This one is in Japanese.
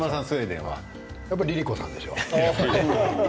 やっぱりＬｉＬｉＣｏさんでしょう。